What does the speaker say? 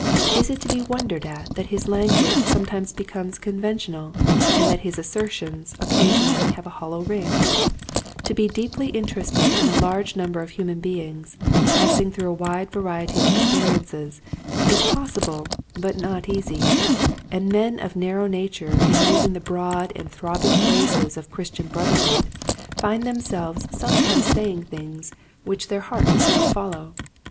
Is it to be wondered at that his language sometimes becomes conventional and that his asser tions occasionally have a hollow ring } To be deeply interested in a large number of human beings passing through a wide variety of experiences is possible but not easy, and men of narrow nature in using the broad and throbbing phrases of Chris tian brotherhood find themselves some times saying things which their heart does 1 1 2 Quiet Hints to Growing Preachers. not follow.